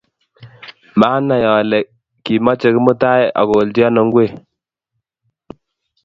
Manai ale kimoche Kimutai akolchi ano ngwek